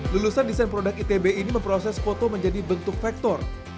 lulusan desain produk itb ini memproses foto menjadi bentuk vektor